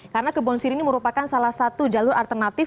karena kebon siri ini merupakan salah satu jalur alternatif